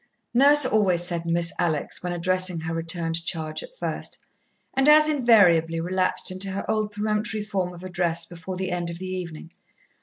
Nurse always said "Miss Alex" when addressing her returned charge at first, and as invariably relapsed into her old peremptory form of address before the end of the evening.